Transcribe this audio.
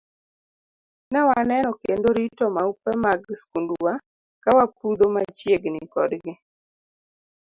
Ne waneno kendo rito maupe mag skundwa ka wapudho machiegni kodgi.